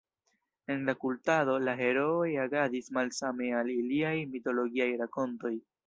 En la kultado, la herooj agadis malsame al iliaj mitologiaj rakontoj.